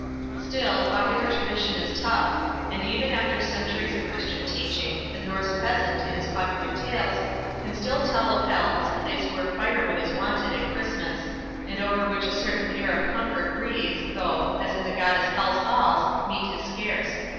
Still, popular tradition is tough, and even after centuries of Christian teaching, the Norse peasant, in his popular tales, can still tell of Hell as a place where fire wood is wanted at Christmas, and over which a certain air of comfort breathes, though, as in the goddess Hel's halls, meat is scarce.